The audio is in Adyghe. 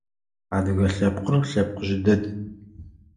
Адыгэ лъэпкъыр лъэпкъ жъы дэд.